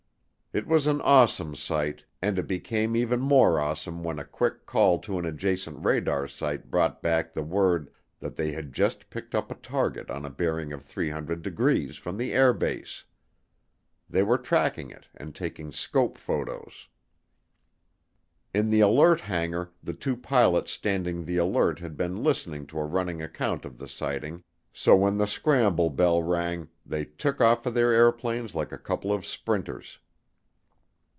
It was an awesome sight and it became even more awesome when a quick call to an adjacent radar site brought back the word that they had just picked up a target on a bearing of 300 degrees from the air base. They were tracking it and taking scope photos. In the alert hangar, the two pilots standing the alert had been listening to a running account of the sighting so when the scramble bell rang they took off for their airplanes like a couple of sprinters.